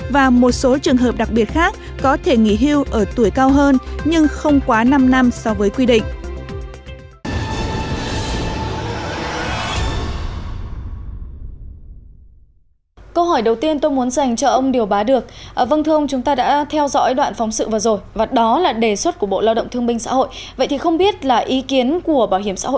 và một số trường hợp đặc biệt khác có thể nghỉ hưu ở tuổi cao hơn nhưng không quá năm năm so với quy định